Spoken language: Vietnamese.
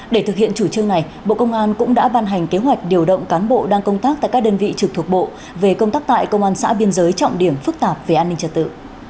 để thực hiện chủ trương này bộ công an cũng đã ban hành kế hoạch điều động cán bộ đang công tác tại các đơn vị trực thuộc bộ về công tác tại công an xã biên giới trọng điểm phức tạp về an ninh trật tự